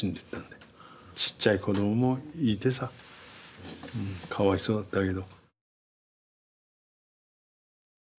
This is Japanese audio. ちっちゃい子どもいてさかわいそうだったけど。